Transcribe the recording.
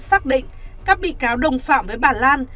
xác định các bị cáo đồng phạm với bà lan